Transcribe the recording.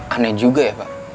aneh juga ya pak